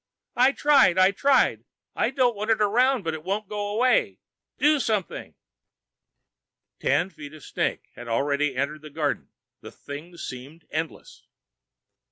"I tried! I tried! I don't want it around, but it won't go away! Do something!" Ten feet of snake had already entered the garden. The thing seemed endless.